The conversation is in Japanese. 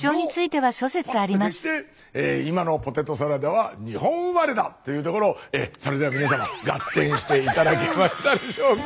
ポッと消して今のポテトサラダは日本生まれだ！というところそれでは皆様ガッテンして頂けましたでしょうか？